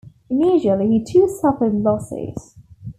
Initially, he too suffered losses.